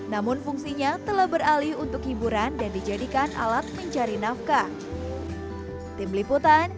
namun fungsinya telah beralih untuk hiburan dan dijadikan alat mencari nafkah